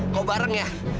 kau bareng ya